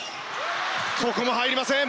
ここも入りません。